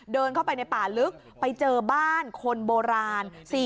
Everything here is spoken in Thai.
เดินเข้าไปในป่าลึกไปเจอบ้านคนโบราณ